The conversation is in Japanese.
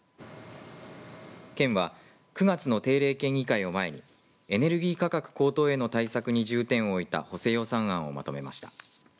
県は９月の定例県議会を前にエネルギー価格の高騰への対策に重点を置いた補正予算案をまとめました。